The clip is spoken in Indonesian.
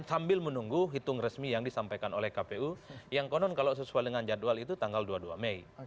sambil menunggu hitung resmi yang disampaikan oleh kpu yang konon kalau sesuai dengan jadwal itu tanggal dua puluh dua mei